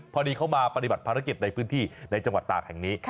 พอดีเขามาปฏิบัติภารกิจในพื้นที่ในจังหวัดตากแห่งนี้